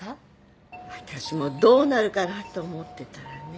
私もどうなるかなと思ってたらね。